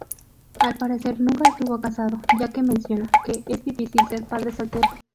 Al parecer nunca estuvo casado, ya que menciona que "Es difícil ser padre soltero".